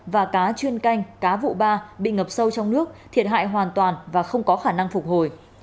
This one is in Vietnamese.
và cá chuyên canh cá vụ ba bị ngập sâu trong nước thiệt hại hoàn toàn và không có khả năng phục hồi